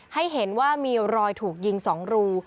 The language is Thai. ให้เห็นว่ามีรอยถูกยิง๒รู